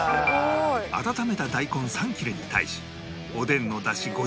温めた大根３切れに対しおでんの出汁５０